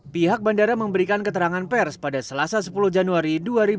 pihak bandara memberikan keterangan pers pada selasa sepuluh januari dua ribu dua puluh